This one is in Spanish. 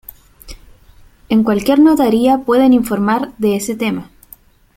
En cualquier notaría pueden informar de ese tema.